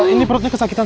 ini perutnya kesakitan